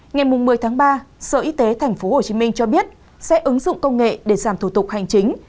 ngày một mươi tháng ba sở y tế tp hcm cho biết sẽ ứng dụng công nghệ để giảm thủ tục hành chính